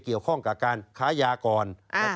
เกี่ยวข้องกับการค้ายาก่อน